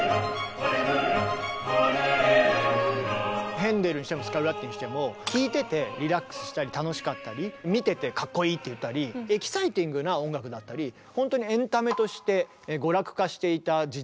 ヘンデルにしてもスカルラッティにしても聴いててリラックスしたり楽しかったり見ててかっこいいって言ったりエキサイティングな音楽だったりほんとにエンタメとして娯楽化していた時代。